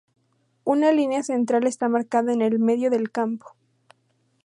Una línea central esta marcada en el medio del campo.